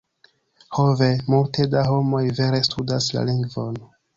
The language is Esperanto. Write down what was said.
Ho ve, multe da homoj vere studas la lingvon.